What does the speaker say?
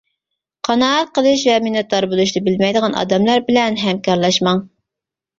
قانائەت قىلىش ۋە مىننەتدار بولۇشنى بىلمەيدىغان ئادەملەر بىلەن ھەمكارلاشماڭ.